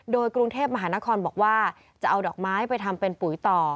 โดยกรุงเทพมหานครบอกว่าจะเอาดอกไม้ไปทำเป็นปุ๋ยต่อ